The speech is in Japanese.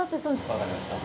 分かりました。